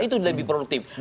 itu lebih produktif